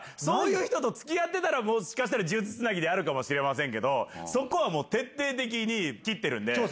そういう人と付き合ってたらもしかしたら数珠つなぎであるかもしれませんけどそこは徹底的に切ってるんで。